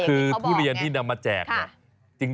คือทุเรียนที่นำมาแจกเนี่ย